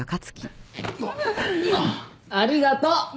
ありがとう。